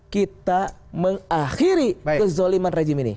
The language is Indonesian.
kita mengakhiri kezoliman rejim ini